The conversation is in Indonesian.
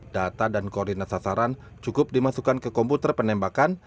data dan koordinat sasaran cukup dimasukkan ke komputer penembakan